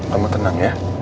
kamu tenang ya